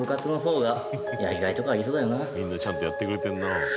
みんなちゃんとやってくれてるな。